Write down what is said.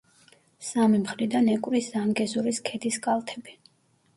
სამი მხრიდან ეკვრის ზანგეზურის ქედის კალთები.